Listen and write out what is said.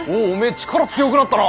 力強くなったな。